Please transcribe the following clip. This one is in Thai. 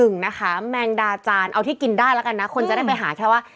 นะคะแมงดาจานเอาที่กินได้แล้วกันนะคนจะได้ไปหาแค่ว่า